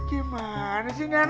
gimana sih enak